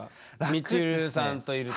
みちるさんといると。